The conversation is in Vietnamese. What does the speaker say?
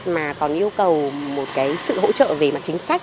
mà còn yêu cầu một cái sự hỗ trợ về mặt chính sách